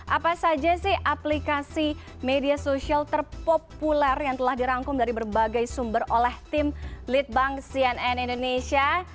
apa saja sih aplikasi media sosial terpopuler yang telah dirangkum dari berbagai sumber oleh tim lead bank cnn indonesia